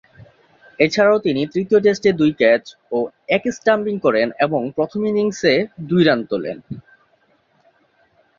এছাড়াও তিনি তৃতীয় টেস্টে দুই ক্যাচ ও এক স্ট্যাম্পিং করেন এবং প্রথম ইনিংস দুই রান তোলেন।